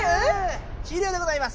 終了でございます。